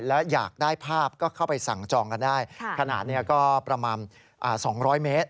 แล้วอยากได้ภาพก็เข้าไปสั่งจองกันได้ขนาดเนี้ยก็ประมาณอ่าสองร้อยเมตร